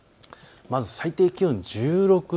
最低気温１６度。